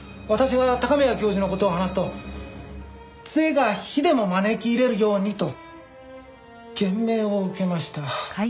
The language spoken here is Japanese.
私が高宮教授の事を話すと是が非でも招き入れるようにと厳命を受けました。